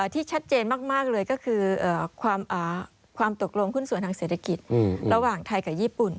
ที่ชัดเจนมากเลยก็คือความตกลงหุ้นส่วนทางเศรษฐกิจระหว่างไทยกับญี่ปุ่น